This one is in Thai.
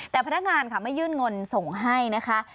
แต่พนักงานค่ะไม่ยื่นเงินส่งให้นะคะ